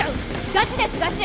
ガチですガチ！